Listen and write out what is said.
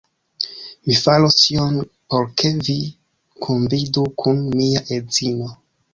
Mi faros ĉion por ke vi kunvidu kun mia edzino